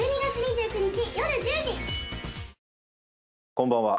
こんばんは。